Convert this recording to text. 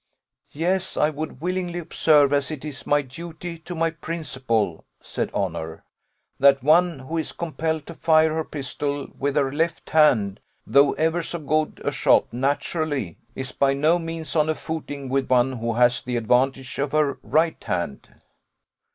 'Yes, I would willingly observe, as it is my duty to my principal,' said Honour, 'that one who is compelled to fire her pistol with her left hand, though ever so good a shot naturally, is by no means on a footing with one who has the advantage of her right hand.